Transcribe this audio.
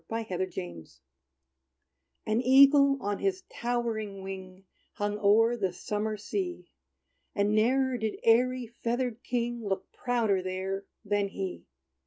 =The Sea Eagle's Fall= An Eagle, on his towering wing, Hung o'er the summer sea; And ne'er did airy, feathered king Look prouder there than he.